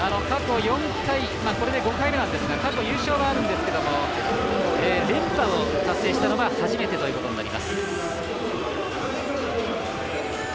過去４回これで５回目なんですが過去優勝はあるんですけど連覇を達成したのは初めてということになります。